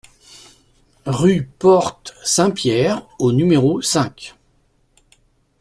Rue Porte Saint-Pierre au numéro cinq